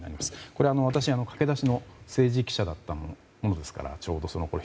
これは私、駆け出しの政治記者だったものですからちょうどそのころ。